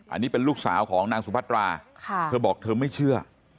อันนี้เป็นลูกสาวของนางสุพัตราเธอบอกเธอไม่เชื่อ